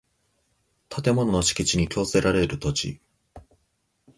建物の敷地に供せられる土地